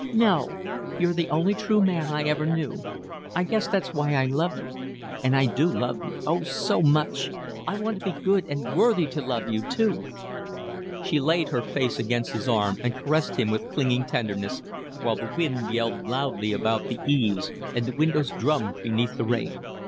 "No. You're the only true man I ever knew. I guess that's why I love you. And I do love you, oh, so much! I want to be good and worthy to love you, too." She laid her face against his arm and caressed him with clinging tenderness, while the wind yelled loudly about the eaves and the windows drummed beneath the rain.